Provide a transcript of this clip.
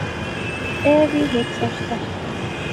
ایہہ وی ہیک سچ دا